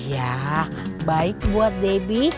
iya baik buat debbie